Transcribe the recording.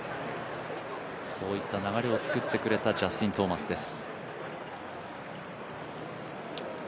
そういった流れを作ってくれたジャスティン・トーマスです。